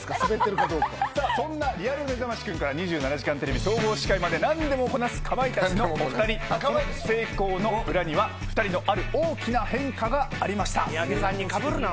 そんなリアルめざましくんから２７時間テレビ総合司会まで何でもこなす、かまいたちの２人成功の裏には２人のある大きな変化がありました。